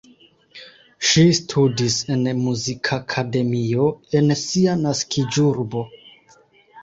Ŝi studis en Muzikakademio en sia naskiĝurbo.